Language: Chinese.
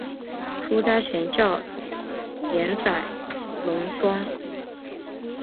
出家前叫岩仔龙庄。